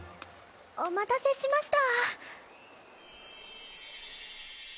お待たせしました。